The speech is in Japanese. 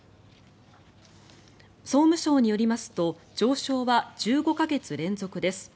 総務省によりますと上昇は１５か月連続です。